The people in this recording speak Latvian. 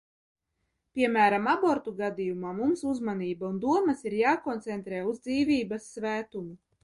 Piemēram, abortu gadījumā mums uzmanība un domas ir jākoncentrē uz dzīvības svētumu.